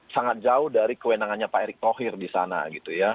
sangat jauh dari kewenangannya pak erick thohir di sana gitu ya